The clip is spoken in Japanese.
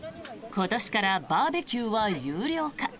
今年からバーベキューは有料化。